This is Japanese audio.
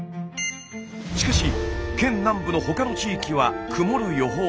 しかし県南部の他の地域は曇る予報。